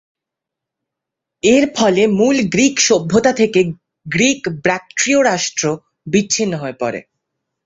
এর ফলে মূল গ্রিক সভ্যতা থেকে গ্রিক-ব্যাক্ট্রিয় রাজ্য বিচ্ছিন্ন হয়ে পড়ে।